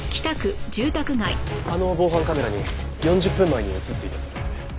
あの防犯カメラに４０分前に映っていたそうです。